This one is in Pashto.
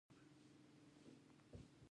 زه باید ویده شم